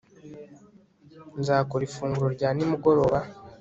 Nzakora ifunguro rya nimugoroba